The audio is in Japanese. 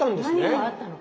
何があったのか。